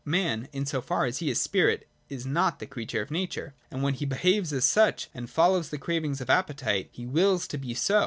Man in so far as he is spirit is not the creature of nature : and when he behaves as such, and ' follows the cravings of appetite, he wills to be so.